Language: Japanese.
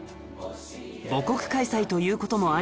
母国開催という事もあり